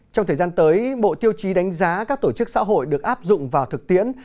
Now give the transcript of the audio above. trong thời gian tới bộ tiêu chí đánh giá các tổ chức xã hội được áp dụng vào thực tiễn